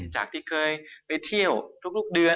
จากที่เคยไปเที่ยวทุกเดือน